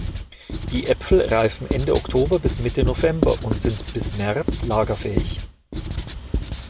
Die Äpfel reifen Ende Oktober bis Mitte November und sind bis März lagerfähig.